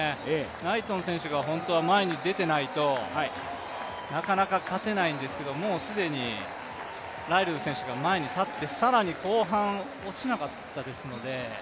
ナイトン選手が本当は前に出ていないとなかなか勝てないんですけれども、もう既にライルズ選手が前に立って、更に後半、落ちなかったですので。